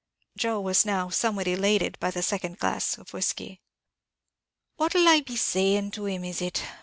Joe was now somewhat elated by the second glass of whiskey. "What 'll I be saying to him, is it?